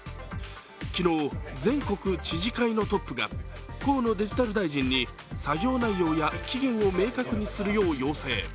昨日、全国知事会のトップが河野デジタル大臣に作業内容や期限を明確にするよう要請。